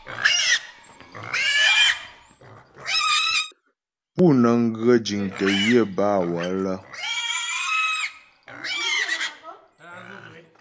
Pú nə́ŋ ghə jiŋtə́ yə bâ wələ.